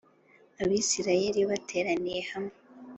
Abisirayeli bateraniye hamwe